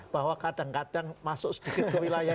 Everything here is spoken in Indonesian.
bahwa kadang kadang masuk ke wilayah